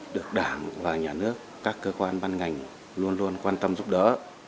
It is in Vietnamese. được đảng và nhà nước các cơ quan ban ngành luôn luôn quan tâm giúp đỡ